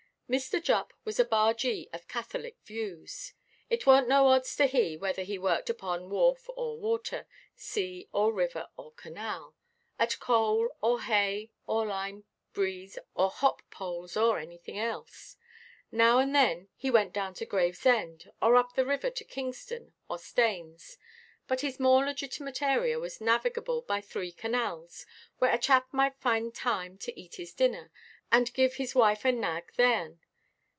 Mr. Jupp was a bargee of Catholic views; "it warnʼt no odds to he" whether he worked upon wharf or water, sea or river or canal, at coal, or hay, or lime, breeze, or hop–poles, or anything else. Now and then he went down to Gravesend, or up the river to Kingston or Staines; but his more legitimate area was navigable by three canals, where a chap might find time to eat his dinner, and give his wife and nag theirʼn.